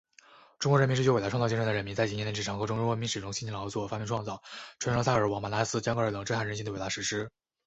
中国人民是具有伟大创造精神的人民。在几千年历史长河中，中国人民始终辛勤劳作、发明创造……传承了萨格尔王、玛纳斯、江格尔等震撼人心的伟大史诗……